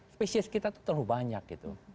spesies kita itu terlalu banyak gitu